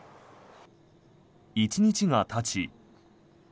１日がたち。